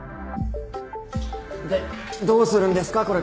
でどうするんですか？